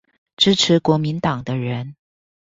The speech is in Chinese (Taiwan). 支持國民黨的人